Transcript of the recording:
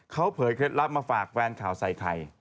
เขาเผยเคล็ดลับมาฝากแฟนข่าวใส่ไข่